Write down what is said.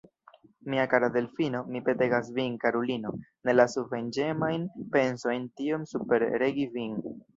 Mia kara Delfino, mi petegas vin, karulino, ne lasu venĝemajn pensojn tiom superregi vin.